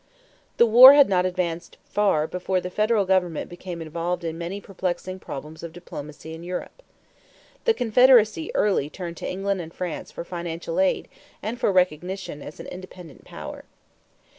= The war had not advanced far before the federal government became involved in many perplexing problems of diplomacy in Europe. The Confederacy early turned to England and France for financial aid and for recognition as an independent power.